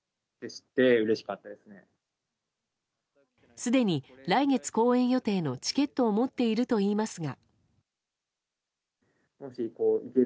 すでに来月公演予定のチケットを持っているといいますが。